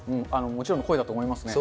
もちろんの声だと思いますね。